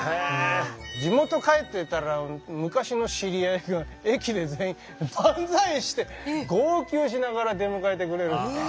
地元帰ってたら昔の知り合いが駅で全員万歳して号泣しながら出迎えてくれるしね。